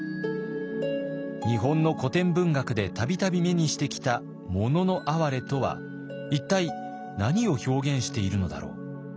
日本の古典文学で度々目にしてきた「もののあはれ」とは一体何を表現しているのだろう？